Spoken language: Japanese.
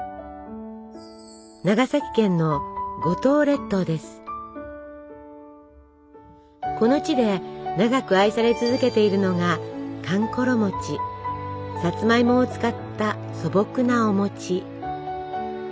長崎県のこの地で長く愛され続けているのがさつまいもを使った素朴なお餅。